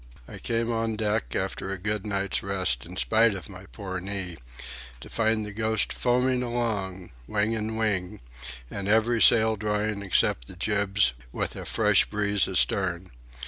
I came on deck, after a good night's rest in spite of my poor knee, to find the Ghost foaming along, wing and wing, and every sail drawing except the jibs, with a fresh breeze astern.